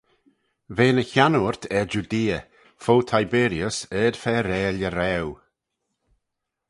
V'eh ny chiannoort er Judea, fo Tiberius ard-fer-reill y Raue.